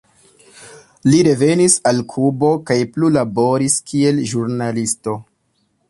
Li revenis al Kubo kaj plu laboris kiel ĵurnalisto.